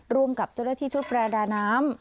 ร่วมกับเจ้าหน้าที่ชุดประดาน้ำ